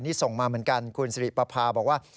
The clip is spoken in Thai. นี่ส่งมาเหมือนกันคุณสิริปภาบอกว่า